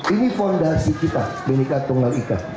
ini fondasi kita binika tunggal ika